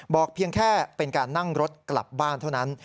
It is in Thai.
เพียงแค่เป็นการนั่งรถกลับบ้านเท่านั้น